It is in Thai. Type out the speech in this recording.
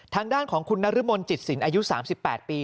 ทางด้านของคุณนรมนจิตศิลป์อายุ๓๘ปี